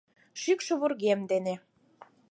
Шӱкшӧ вургем дене...